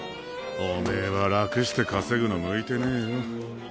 おめぇは楽して稼ぐのは向いてねぇよ。